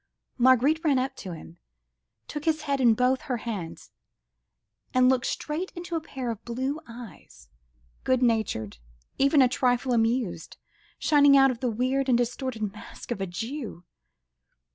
Marguerite ran up to him, took his head in both her hands ... and looked straight into a pair of blue eyes, good natured, even a trifle amused—shining out of the weird and distorted mask of the Jew.